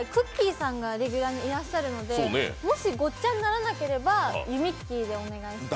さんがレギュラーにいらっしゃるのでもしごっちゃにならなければゆみっきーでお願いしたいです。